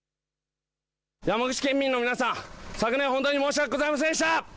山口県民の皆さん、昨年本当に申し訳ございませんでした。